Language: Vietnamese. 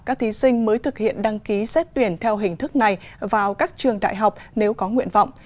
các thí sinh mới thực hiện đăng ký xét tuyển theo hình thức này vào các trường đại học nếu có nguyện vọng